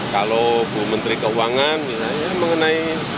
kalau bu menteri keuangan ya mengenai anggaran